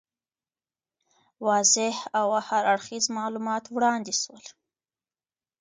واضح او هر اړخیز معلومات وړاندي سول.